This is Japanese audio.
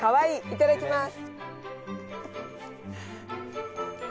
いただきます。